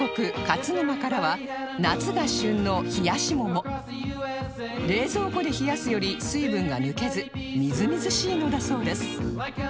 勝沼からは夏が旬の冷蔵庫で冷やすより水分が抜けずみずみずしいのだそうです